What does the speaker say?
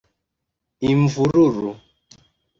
‘Imvururu’